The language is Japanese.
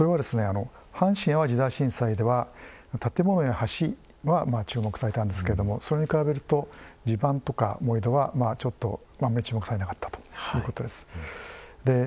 阪神・淡路大震災では建物や橋は注目されたんですけどそれに比べると地盤とか盛土はちょっと、目を向けられなかったということです。